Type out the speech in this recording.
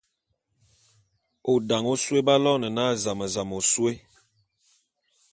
O dane ôsôé b'aloene na zam-zam ôsôé.